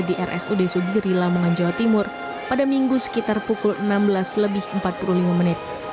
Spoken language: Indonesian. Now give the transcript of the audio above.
di rsud sugiri lamongan jawa timur pada minggu sekitar pukul enam belas lebih empat puluh lima menit